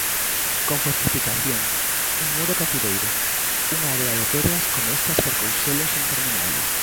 Con fortificación, un muro cativeiro, unha rea de pedras comestas por couselos interminables.